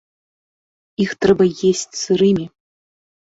Іх трэба есці сырымі.